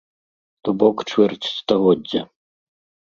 То бок, чвэрць стагоддзя.